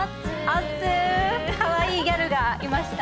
おっつーかわいいギャルがいました